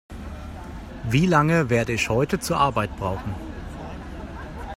Wie lange werde ich heute zur Arbeit brauchen?